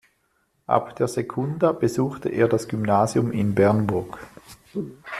Ab der Sekunda besuchte er das Gymnasium in Bernburg.